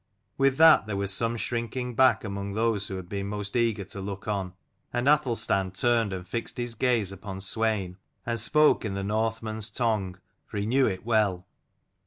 With that there was some shrinking back among those who had been most eager to look on: and Athelstan turned and fixed his gaze upon Swein, and spoke in the Northmen's tongue, for he knew it well.